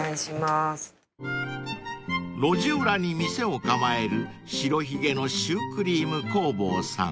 ［路地裏に店を構える白髭のシュークリーム工房さん］